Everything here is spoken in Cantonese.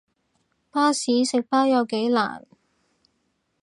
巴士食包有幾難